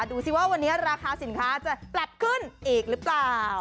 ดูสิว่าวันนี้ราคาสินค้าจะปรับขึ้นอีกหรือเปล่า